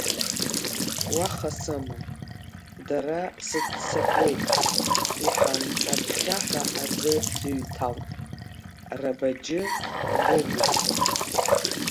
Уаха сымам, дара сыццакуеит, — иҳәан, аҟьҟьаҳәа аӡы дыҩҭалт, рабаџьы дыримгеит.